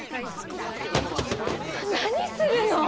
何するの！？